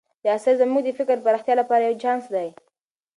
دا اثر زموږ د فکر د پراختیا لپاره یو چانس دی.